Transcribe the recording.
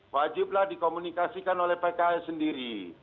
wajib lah dikomunikasikan oleh pki sendiri